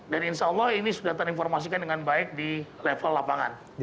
dan insya allah ini sudah terinformasikan dengan baik di level lapangan